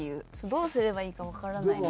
どうすればいいかわからない。